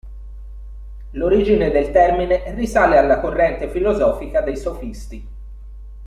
L'origine del termine risale alla corrente filosofica dei sofisti.